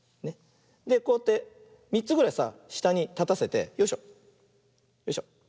でこうやって３つぐらいさしたにたたせてよいしょよいしょ。